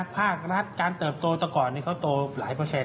ภาครัฐการเติบโตแต่ก่อนนี้เขาโตหลายเปอร์เซ็น